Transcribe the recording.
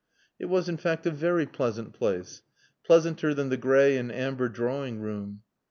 It was in fact a very pleasant place. Pleasanter than the gray and amber drawing room.